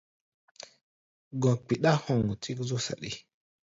Gɔ̧ kpiɗá hoŋ tík zú saɗi.